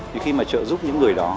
thì khi mà trợ giúp những người đó